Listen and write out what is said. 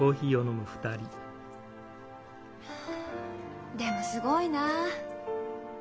はあでもすごいな。